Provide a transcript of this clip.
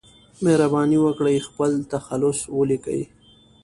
مهرباني وکړئ خپل تخلص ولیکئ